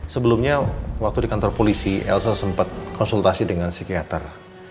sebelumnya waktu di kantor polisi elsa sempat konsultasi dengan psikiater